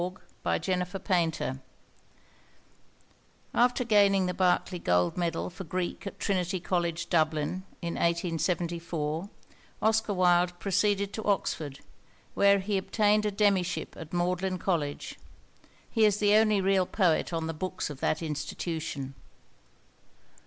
MAGDALEN WALKS [After gaining the Berkeley Gold Medal for Greek at Trinity College, Dublin, in 1874, Oscar Wilde proceeded to Oxford, where he obtained a demyship at Magdalen College. He is the only real poet on the books of that institution.